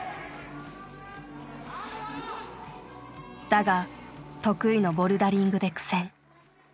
だが得意のボルダリングで苦戦。